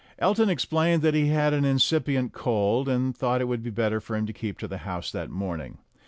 Elton explained that he had an incipient cold, and thought it would be better for him to keep to the house that morning.